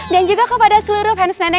dan juga kepada seluruh fans nenek